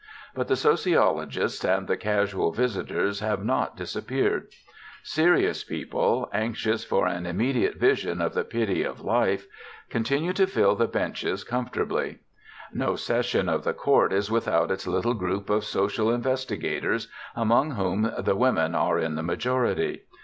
But the sociologists and the casual visitor have not disappeared. Serious people, anxious for an immediate vision of the pity of life, continue to fill the benches comfortably. No session of the court is without its little group of social investigators, among whom the women are in the majority.